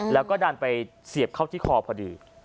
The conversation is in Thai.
แล้วก็ดันไปเสียบเข้าที่คอพอดี